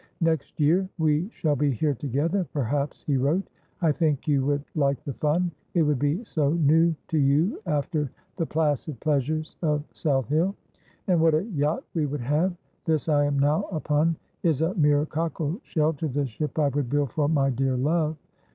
' Next year we shall be here together, perhaps,' he wrote. ' I think you would like the fun. It would be so new to you ' No Man may alway have Prosperitee! 181 after the placid pleasures of South Hill. And what a yacht we would have ! This I am now upon is a mere cockle shell to the ship I would build for my dear love.